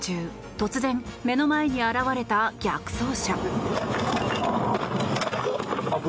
突然、目の前に現れた逆走車。